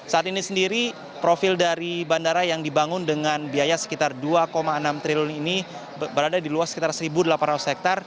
saat ini sendiri profil dari bandara yang dibangun dengan biaya sekitar dua enam triliun ini berada di luas sekitar satu delapan ratus hektare